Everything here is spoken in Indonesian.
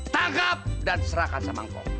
tanggap dan serahkan sama engkau